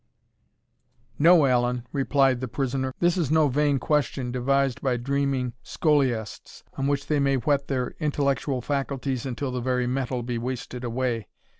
"No, Allan," replied the prisoner, "this is no vain question, devised by dreaming scholiasts, on which they may whet their intellectual faculties until the very metal be wasted away.